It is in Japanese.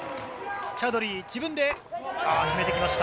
チャウドリー、自分で決めてきました。